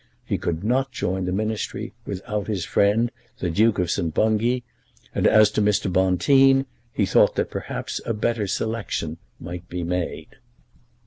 He could not join the Ministry without his friend, the Duke of St. Bungay, and as to Mr. Bonteen, he thought that perhaps a better selection might be made.